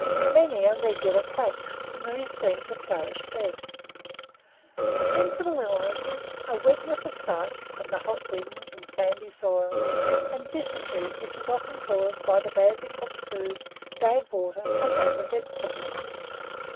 Many are regular quacks, and these seem to flourish best. The principal illnesses are weakness of sight, from the hot winds and sandy soil, and dysentery, which is often caused by the badly cooked food, bad water, and want of vegetables.